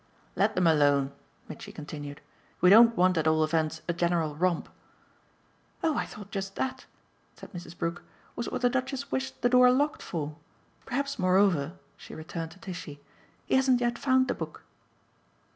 "Let them alone," Mitchy continued. "We don't want at all events a general romp." "Oh I thought just that," said Mrs. Brook, "was what the Duchess wished the door locked for! Perhaps moreover" she returned to Tishy "he hasn't yet found the book."